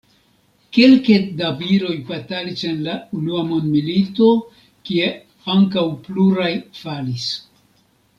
Kelke da viroj batalis en la unua mondmilito, kie ankaŭ pluraj falis.